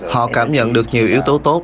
họ cảm nhận được nhiều yếu tố tốt